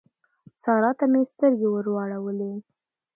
سارا ته مې سترګې ور واړولې.